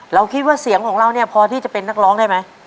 เราคิดว่าเสียงของเราเนี่ยพอที่จะเป็นนักร้องได้ไหม